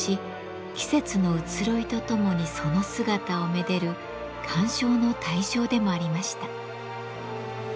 季節の移ろいとともにその姿をめでる鑑賞の対象でもありました。